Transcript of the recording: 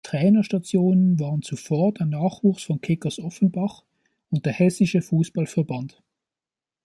Trainerstationen waren zuvor der Nachwuchs von Kickers Offenbach und der Hessische Fußball-Verband.